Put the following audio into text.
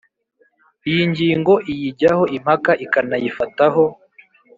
iyi ngingo iyijyaho impaka ikanayifataho